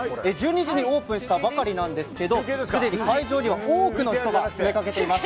１２時にオープンしたばかりですがすでに会場には多くの人が詰めかけています。